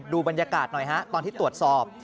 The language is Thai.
บรรยากาศหน่อยฮะตอนที่ตรวจสอบ